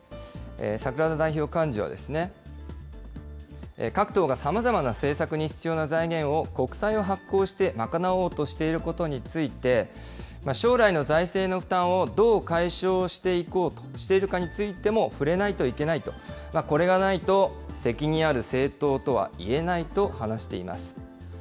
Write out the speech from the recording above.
櫻田代表幹事は、各党がさまざまな政策に必要な財源を国債を発行して賄おうとしていることについて、将来の財政の負担をどう解消していこうとしているかについても触れないといけないと、これがないと責任ある政党とはいえないと話しています。